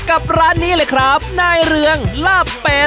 ร้านนี้เลยครับนายเรืองลาบแปด